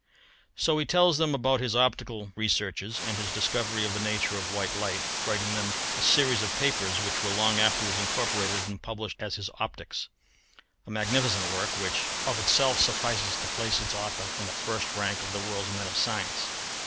So he tells them about his optical researches and his discovery of the nature of white light, writing them a series of papers which were long afterwards incorporated and published as his Optics. A magnificent work, which of itself suffices to place its author in the first rank of the world's men of science.